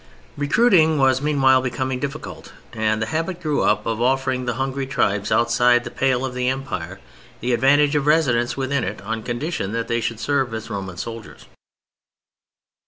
Recruiting was meanwhile becoming difficult, and _the habit grew up of offering the hungry tribes outside the pale of the Empire the advantage of residence within it on condition that they should serve as Roman soldiers_.